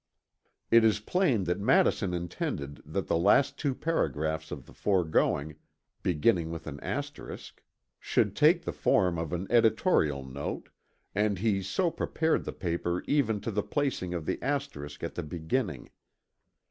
'" It is plain that Madison intended that the last two paragraphs of the foregoing, beginning with an asterisk, should take the form of an editorial note, and he so prepared the paper even to the placing of the asterisk at the beginning.